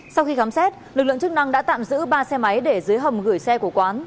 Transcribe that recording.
sau khi khám xét lực lượng chức năng đã tạm giữ ba xe máy để dưới hầm gửi xe của quán